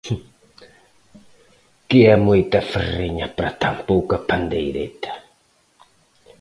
Que é moita ferreña para tan pouca pandeireta.